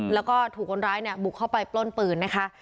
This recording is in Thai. แล้วก็ถูกคนร้ายเนี่ยบุกเข้าไปปล้นปืนนะคะ